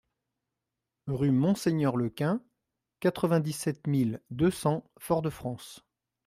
Rue Monseigneur Lequin, quatre-vingt-dix-sept mille deux cents Fort-de-France